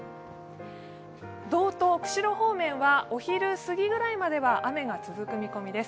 道東・釧路方面はお昼過ぎぐらいまでは雨が続く見込みです。